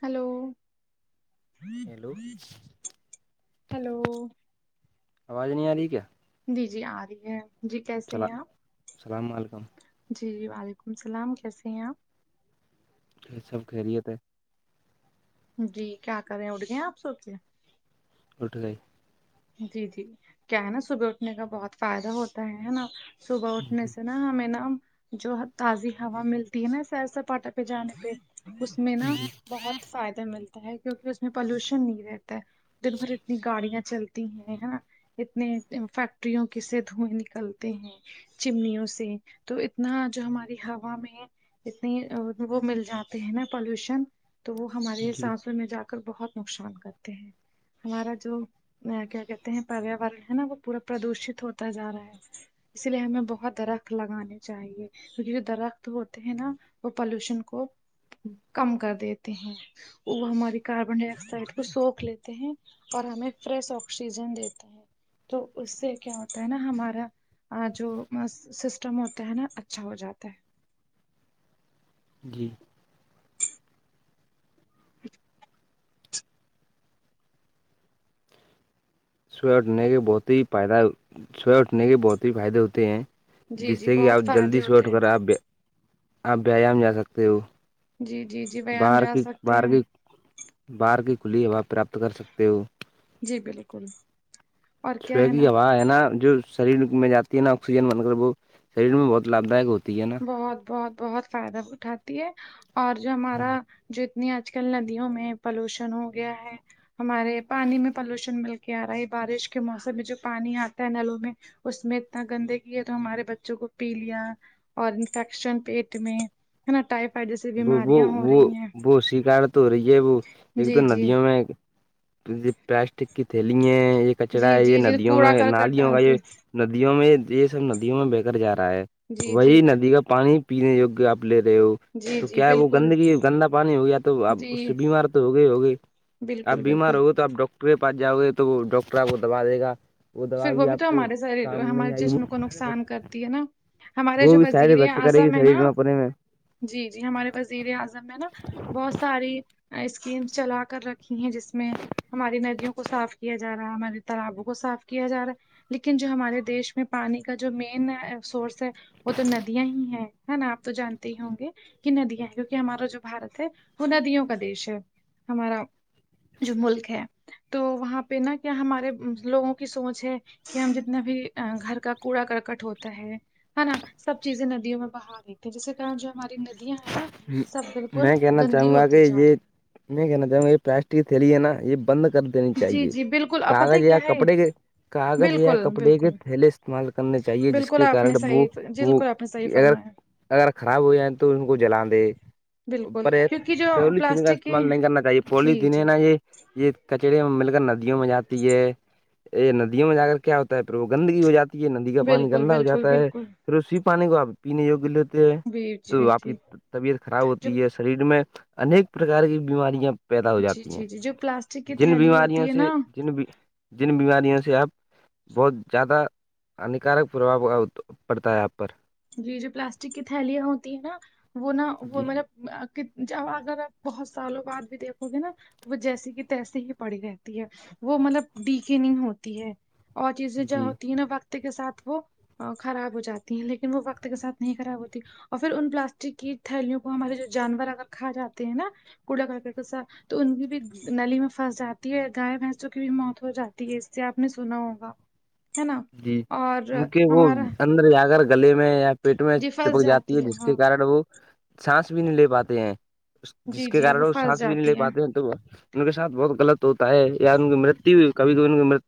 hello hello hello آواز نہیں آ رہی کیا جی جی آ رہی ہے جی کیسے چلا ہیں آپ السلام علیکم جی جی وعلیکم السلام کیسے ہیں آپ یہ سب خریتے جی کیا کریں اٹھ گئے آپ سوچے اٹھ گئی جی جی کیا ہے نا صبح اٹھنے کا بہت فائدہ ہوتا ہے نا صبح اٹھنے سے نا ہمیں نا جو ہے تازی ہوا ملتی ہے نا سیر سپاٹا پہ جانے پہ اس میں نا جی بہت فائدہ ملتا ہے کیونکہ اس میں پالوشن نہیں رہتا ہے دن بھر اتنی گاڑیاں چلتی ہیں نا اتنے فیکٹریوں کی سے دھوئیں نکلتے ہیں چمنیوں سے تو اتنا جو ہماری ہوا میں اتنی وہ مل جاتے ہیں نا پالوشن تو وہ ہمارے جی سانسووں میں جا کر بہت نقصان کرتے ہیں ہمارا جو کیا کہتے ہیں پریاورن ہے نا وہ پورا پردوشت ہوتا جا رہا ہے اس لیے ہمیں بہت رکھ لگانے چاہیے کیونکہ جو درخت ہوتے ہیں نا وہ پالوشن کو کم کر دیتے ہیں وہ ہماری کاربن ڈائی آکسائڈ کو سوکھ لیتے ہیں اور ہمیں فریش آکسیجن دیتا ہے تو اس سے کیا ہوتا ہے نا ہمارا جو سسٹم ہوتا ہے نا اچھا ہو جاتا ہے جی [inaudible] سوح اٹھنے کے بہت ہی فائدہ سوہ اٹھنے کے بہت ہی فائدے ہوتے ہیں جی جس جی سے کہ آپ بہت جلدی فائدے سےوٹھ ہوتے ہیں کر آپ آپ ویام جا سکتے ہو جی جی جی ویام بار جا کی سکتے بار ہیں کی بار کی کھلی ہوا پراپت کر سکتے ہو جی بالکل اور کیا صبح ہے کی نا ہوا ہے نا جو شریر میں جاتی ہے نا آکسیجن بن کر وہ شریر میں بہت لابھ دائک ہوتی ہے نا بہت بہت بہت فائدہ اٹھاتی ہے اور جو ہمارا جو نی آج کل ندیوں میں پلوشن ہو گیا ہے ہمارے پانی میں پالوشن مل کے آ رہا ہے بارش کے موسم میں جو پانی آتا ہے نلوں میں اس میں اتنا گندگی ہے تو ہمارے بچوں کو پی لیا اور انفیکشن پیٹ میں ہے نا ٹائفائڈ جیسی بیمارں ہو رہی ہیں کوش کرار تو ہو رہی ہے وہ ایک تو جی جی ندیوں میں پلاسٹک کی تھیلی ہے ایک کچرا جی ہے یہ جی جی ندیوں کوڑا میں کرکٹ نالیوں کا یہ ڈالتے ندیوں میں یہ سب ندیوں میں بیکر جا رہا ہے جی جی وہی ندی کا پانی پینے وگ اپنے لیے وہ جی تو جی کیا ہے وہ بالکل گندگی گندا پانی ہو گیا تو اپ اس سے جی بیمار تو ہو گیا ہی ہو گئی اپ بالکل بیمار بالکل ہوگئے تو آپ ڈاکٹر کے پاس جاؤ گے تو ڈاکٹر آپ کو دبا دے گا وہ دوا پھر بھی آپ تو کو ہمارے سارے کام ہمارے نہیں آئی وہ جسم کو نقصان کرتی ہے نا ہمارے وہ جو بھی سارے وزیر کرے گی اعظم ہے شریر نا میں اپنے میں جی جی ہمارے وزیر اعظم ہیں نا بہت ساری اسکیمس چلا کر رکھی ہیں جس میں ہماری ندیوں کو صاف کیا جا رہا ہے ہمارے تالابوں کو صاف کیا جا رہا ہے لیکن جو ہمارے دیش میں پانی کا جو مین سورس ہے وہ تو ندیاں ہی ہیں ہے نا آپ تو جانتے ہی ہوں گے کہ ندیاں ہیں کیونکہ ہمارا جو بارت ہے وہ ندیوں کا دیش ہے ہمارا جو ملک ہے تو وہاں پہ نہ کیا ہمارے لوگوں کو کی سوچ ہے کہ ہم جتنا بھی گھر کا کوڑا کرکٹ ہوتا ہے ہے نا سب چیزیں ندیوں میں بہا رہی ت ہے جس کے کن جو ہماری ندی ہے نا سب بالکل میں کہنا گندی چاہوں گا کہ ہوتی جا یہ رہی ہے میں کہنا چاہوں گا یہ پلاسٹک کی تھیلی ہے نا یہ بند کر دینی جی چاہیے جی بالکل آپ پتہ کاغذ ہے یا کیا ہے کپڑے کے کاغذ یا بالکل کپڑے کے بالکل تھیلے سے استعمال کرنے چاہیے جس بالکل کے آپ نے کارن وہ صحیح وہ بالکل آپ نے صحیح اگر فرمایا اگر خراب ہو جائیں تو ان کو جلاان دے بالکل پر کیونکہ جو پیولی تن کا پلاسٹک کی استعمال نہیں کرنا چاہیے پلی جی دن جی نا یہ یہ کچرے میں مل کر ندیوں میں جاتی ہے ا ندیوں میں جا کر کیا ہوتا ہے پر وہ گندگی ہو جاتی ہے ندی کا پانی بالکل گندا ہو بالکل جاتا ہے بالکل پھر اسی پانی کو اپ پینے یگی لی ہوتے ہیں جی تو جی آپ کی جی طبیعت خراب جو ہوتی ہے شریر میں ایک پرکار کی بیماریاں پیدا ہو جی جاتی ہیں جی جی جو پلاسٹک کی جن تھیلی بیماریوں ہوتی ہے سے نا جن جن بیماریوں سے آپ بہت زیادہ ہانیکارک پربؤ پڑتا ہے آپ پر جی جو پلاسٹک کی تھیلیاں ہوتی ہیں نا وہ نا وہ جی مطلب اب اگر آ بہت سالوں بعد بھی دیکھو گے نا تو وہ جیسیے کہ تیسے ہی پڑی رہتی ہے وہ مطلب ڈی کے نہیں ہوتی ہے اور چیزیں جو جی ہوتی ہیں نا وقت کے ساتھ وہ خراب ہو جاتی ہیں لیکن ن وہ وقت کے ساتھ نہیں خراب ہوتی اور پھر ان پلاسٹک کی تھیلیوں کو ہمارے جو جانور اگر کھا جاتے ہیں نا کوڑا کرکا تو ان کی بھی نلی میں پھنس جاتی ہے گائے بھینسوں کی بھی موت ہو جاتی ہے اس سے آپ نے سنا ہوگا ہے نا جی اور ان کے وہ ہمارا اندر جا کر گلے میں یا پیٹ میں جی پھنس چپک جاتی ہے جس کے ہاں کن وہ سانس بھی نہیں لے پاتے ہیں جس جی کے جی کارن وہ پھنس سانس بھی نہیں لے جاتی ہے پاتے ہیں تو ان کے سھ بہت غط ہوتا ہے یا ان کی مرتو ہو کبھی کبھی کی م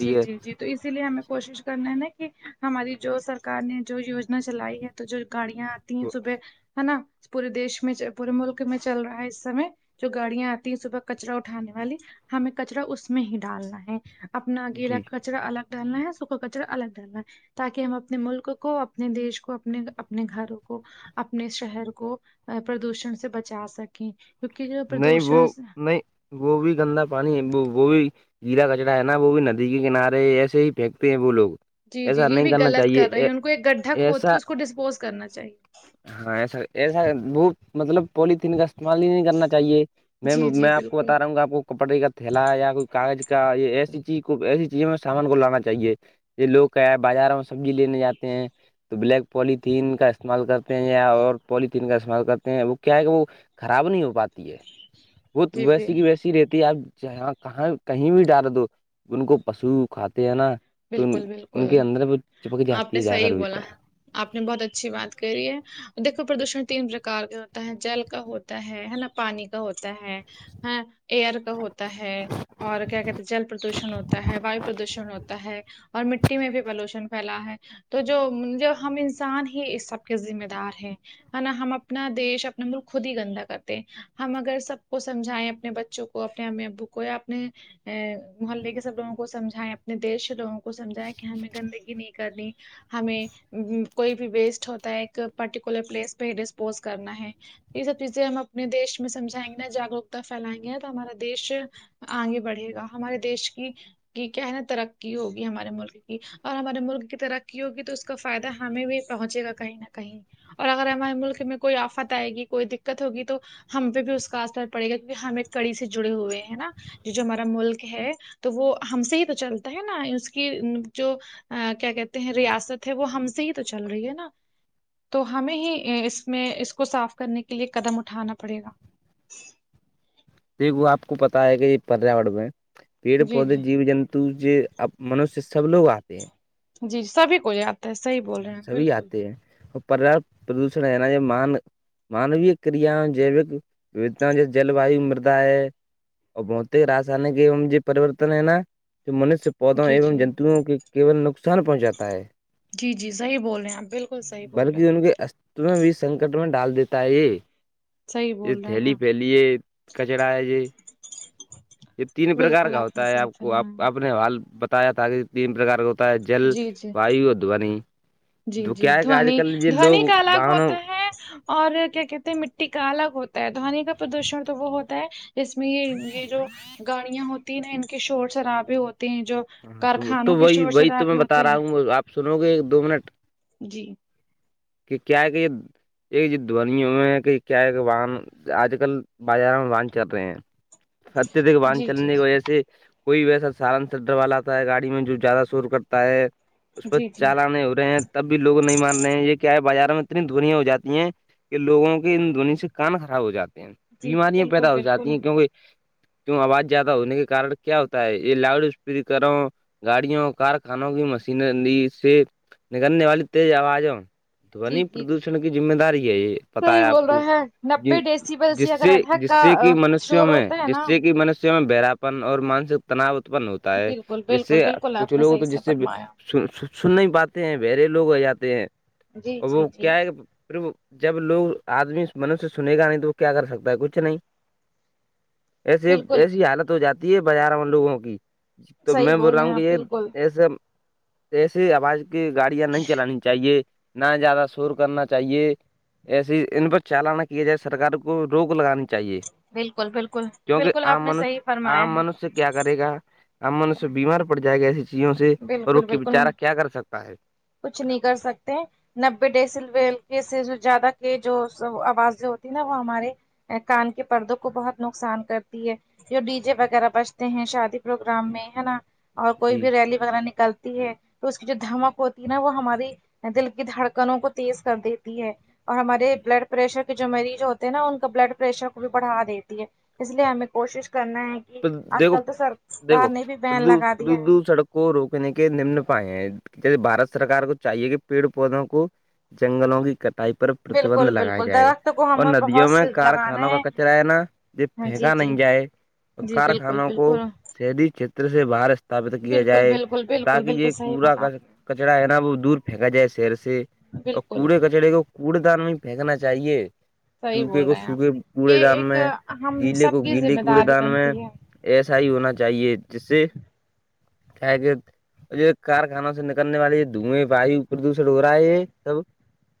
جی جی جی تو اسی لیے ہمیں کوشش کرنا ہے نا کہ ہماری جو سرک نے جو یوجنا چلائی ہے تو جو گاڑیاں آتی ہیں صبح ہے نا پورے دیش میں پورے ملک میں چل رہا ہے اس سمے جو گاڑیاں آتی ہیں صبح کچرا اٹھانے والی ہمیں کچرا اس میں ہی ڈالنا ہے اپنا گیلا جی کا کچرا الگ ڈالنا ہے سوکھا کچرا الگ ڈالنا ہے تاکہ ہم اپنے ملک کو اپنے دیش کو اپنے اپنے گھروں کو اپنے شہر کو پردوشن سے بچا سکیں کیونکہ پردوشن گوبھی گندا پانی ہے وہ گوبھی کیلاا کچڑا ہے نا وہ بھی ندی کے کنارے ایسے ہی پھینکتے ہیں وہ لوگ جی جی ایسا یہ نہیں بھی کرنا غلط چاہیے کر رہے ہیں ان کو ایک گڈھا کھود ایسا کے اس کو ڈسپوز کرنا چاہیے ہاں ایسا ایسا وہت مطلب پولیتھیین کا استعمال ہی کرنا چاہیے میں جی جی میں آ کو بالکل بتا رہا ہوں گا آپ کو کپٹے کا تھیلا یا کوئی کاغذ کا یہ ایسی چیز کو ایسی چیز میں سامان کو لانا چاہیے یہ لوگ کہ ہے بازاروں میں سبزی لینے جاتے ہیں تو بلیک پولیتھیین کا استعمال کرتے ہیں یا اور پولیتھیین کا استعمال کرتے ہیں وہ کیا ہے کہ وہ خراب نہیں ہو پاتی ہے وہ تو جی جی ویسی کی ویسی رہتی ہے اب جاں کہاں کہیں بھی ڈر دو ان کو پشو کھاتے ہیں نا تو ان بالکل ان بالکل کے اندر وہ چپک آپ جاتی نے ہے جا کر صحیح بولا بھیتر ہے آپ نے بہت اچھی بات کری ہے دیکھو پردوشن تین پرکار کا ہوتا ہے جل کا ہوتا ہے ہے نا پانی کا ہوتا ہے ہاں ایئر کا ہوتا ہے اور کیا کہتے ہیں جل پردوشن ہوتا ہے وایو پردوشن ہوتا ہے اور مٹی میں بھی پلوشن پھیلا ہے تو جو جو ہم انسان ہی اس سب کے ذمہ دار ہیں ہے نا ہم اپنا دیش اپنا ملک خود ہی گندا کرتے ہم اگر سب کو سمجھائیں اپنے بچوں کو اپنے امی ابو کو یا اپنے ا محلے کے سب لگوں کو سمجھائے اپنے دیش سے لوگوں کو سمجھائے کہ ہمیں گندگی نہیں کرنی ہمیں کوئی بھی ویسٹ ہوتا ہے ایک پرٹیکولر پلیس پہ ڈسپوز کرنا ہے یہ سب چیزیں ہم اپنے دیش میں سمجائیں گے ن جاگروکتا پھیلائیں گے تو ہمارا دیش آگے بڑھے گا ہمارے دیش کی کی کیا ہے نا ترقی ہوگی ہمارے ملک کی اور ہمارے ملک کی ترقی ہوگی تو اس کا فائدہ ہمیں بھی پہنچے گا کہیں نہ کہیں اور اگر ہمارے ملک میں کوئی آفت آئے گی کوئی دقت ہوگی تو ہم پہ بھی اس کا اثر پڑے گا کیکہ ہم ایک کڑی سے جڑے ہوئے ہیں نا جو ہمارا ملک ہے تو وہ ہم سے ہی تو چلتا ہے نا اس کی جو ا کیا کہتے ہیں ریاست ہے وہ ہم سے ہی تو چل رہی ہے نا تو ہمیں ہی اس میں اس کو صاف کرنے کے لیے قدم اٹھانا پڑے گا دیکھو آ کو پتا ہے کہ یہ پریاور میں پیڑ جی پودے جی جیو جنت تو یہب منوشیہ سب لوگ آتے ہیں جی سبھی کو یا سبھی آتے ہیں اور پر پردوشن ہے نا یہ مان مانوی کریاں جیوک ود جیسے جلویو مردا ہے اور بہت راائن کے جو پریورتن ہے نا جو منشیہ پودوں جی ا جی جنتوؤں کے کیل نقصان پہنچاتا ہے جی جی صحیح بول رہے ہیں آپ بالکل صحیح بول رہے بلکہ ہیں ان کے است بھی سنکٹ میں ڈال دیتا ہے یہ صحیح یہ بول رہے ہیں تھیلی آپ پھیلی ہے کچرا ہے ج تین پرکار بالکل کا نے ہوتا ہے صحیح آپ کو آپ فرمایا نے حال بتایا تھا کہ تین پرکار کا جل جی جی وایو دونی جی تو جی کیا ہے کہ آج دونی کل یہ لوگ دونی کا الگ واہنوں ہوتا ہے اور کیا کہتے ہیں مٹی کا الگ ہوتا ہے دونی کا پردوشن تو وہ ہوتا ہے اس میں یہ یہ جو گاڑیاں ہوتی ہیں نا ان کے شور شرابے ہوتے ہیں جو ہاں تو تو کارخانوں کے وہی شور وہی تو میں شرابے بتا ہوتے رہا ہیں ہوں آپ سنو گے ایک دو منٹ جی کہ کیا کہ یہ ایک ج دونی ہوئے ہیں کہ کیا کہ واہن آج کل بازاروں میں باند چل رہے ہیں اتیہدک باند جی جی چلنے کی جی وجہ سے کوئی ویسا سالن سے ڈر والا آتا ہے گاڑی میں جو زیادہ سور کرتا ہے اس پ جی جی چال آنے ہو رہے ہیں تب بھی لوگ نہیں مار رہے ہیں یہ بازار میں اتنی دنییا ہو جی ہیں کہ لگوں کے ان دھونی سے کان خراب ہو جاتے جی جی بیماریاں بالکل پیدا ہو جاتی بالکل ہیں کیونکہ کیوں آواز زیادہ ہونے کے کارن کیا ہوتا ہے یہ لاؤڈ اسپیکر ہ گاڑیوں کارخانوں کی مشینری سے نکلنے والی تیز آوازوں جی دونی جی جی پردوشن کی ذمہ داری ہے یہ پتا صحیح ہے آپ بول کو رہا ہے ج نبے ڈیسیبل جس اگر سے ادھک جس سے کہ کا منشوں شور میں ہوتا ہے جس نا سے کہ منشیوں میں براپن اور مانسک تناؤ اتپن ہوتا ہوتا ہے بالکل جیسے بالکل بالکل کچھ آپ نے لوگ صحیح تو جس سے فرمایا س سن نہیں پاتے ہیں بہرے لوگ ہو جاتے ہیں جی اور جی وہ جی کیا ہے پھر وہ جب لوگ آدمی منش سنے گا نہیں تو وہ کیا کر سکتا ہے کچھ نہیں ایسے بالکل ایسی حالت ہو جاتی ہے بازار ان لوگوں کی تو صحیح میں بول رہا رہے ہوں ہیں کہ آپ یہ بالکل ایسے ایسیے آواز کی گاڑیاں نہیں چلانی چاہیے نہ زیادہ شور کرنا چاہیے ایسیے ان پ چالاننا کیا جائے سرک کو روک لگانے چاہیے بالکل بالکل کیونکہ بالکل آپ م نے صحیح فرمایا آام ہے منس کیا کرے گا اب من سے بیمار پڑ جائے گا ایے کوں سے اور وہ بالکل بالکل بیچارہ کیا کر سکتا ہے کچھ نہیں کر سکتے نبے ڈیسل سے زیادہ کے جو آوازیں ہوتی نا وہ ہمارے کان کے پردوں کو بہت نقصان کرتی ہے جو ڈی جے وغیرہ بجتے ہیں شادی پروگرام میں ہے نا اور کوئی جی بھی ریلی وغیرہ نکلتی ہے تو اس کی جو دھمک ہوتی ہے نا وہ ہماری دل کی دھڑکنوں کو تیز کر دیتی ہے اور ہمارے جی بلڈ پریشر جو مریض ہوتے ہیں نا ان کا بلڈ پریشر کو بھی بڑھا دیتی ہے اس لیے ہمیں کوشش کرنا ہے کہ آج دیکھو کل تو سرکار نے بھی بین لگا دیا ہے دیکھوو سڑک کو روکنے کے نمن پائے ہیں بارت سرار کو چاہیے کہ پیڑ پودوں کو جنگلوں کی ک پر پرتبند بالکل لگیا بالکل جائے درخت کو اور ہمیں ندیوں بہت میں سے لگانا کارخانوں کا کچرا ہے نا ج ہاں جی پھینکا جی نہیں جائے تو جی بالکل کارخانوں کو بالکل شہری چھیتر سے باہر ت بت کیا بالکل جائے بالکل بالکل تاکہ بالکل یہ صحیح کوڑا بولا آپ کچرا ہے نا وہ دور پھینکا جائے شیر سے نے اور بالکل کوڑے کچڑے کو کوڑے دان میں پھینکنا چاہیے صحیح سوکھے بول کو رہے ہیں سوکھے آپ کوڑے یہ دان ایک میں ہم گیلے سب کو کی گیلے ذمہ کوڑے داری دان میں بنتی ہے ایسا ہی ہونا چاہیے جس سے کیا کہ یہ کارخانوں سے نکلنے والی یہ دھوئیں وایو پردوشن ہو رہا ہے سب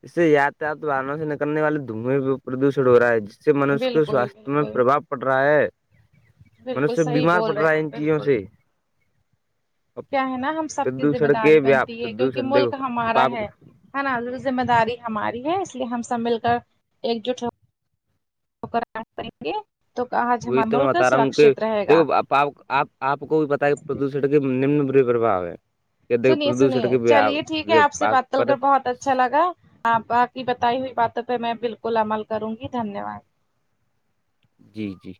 اس سے یاتایات ونوں سے نکلنے والے دھوئیں بھی پردوشن ہو رہا ہے اس سے منوش کے بالکل سواستھ میں بالکل پرباؤ پڑ رہا ہے بالکل منیہ صحیح بیمار بول پڑ رہے رہا ہیں ہے ان آپ چیزوں بالکل سے کیا ہے نا ہم سب کی ذمہ پردوشن داری کے بنتی ہے کیونکہ پردوشن ملک دیکھو ہمارا آپ ہے ہ نا ذمہ داری ہماری ہے اس لیے ہم سب مل کر ایک جٹ ہو کریں گے تو آج وہی ہمارا تو میں ملک بتا رہا ہوں کہ سرکشت رہے گا دیکھو آپ آپ کو بھی پت ہے پردوشن کے نمن ب پرباہ ہے سنیے سنیے چلیے ٹھیک ہے آپ سے بات کرل کر بہت اچھا لگا ہاں باقی بتائی ہوئی باتوں پہ میں بالکل عمل کروں گی دھنیہ واد جی جی